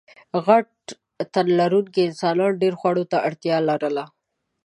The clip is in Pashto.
غټ تنلرونکو انسانانو ډېرو خوړو ته اړتیا لرله.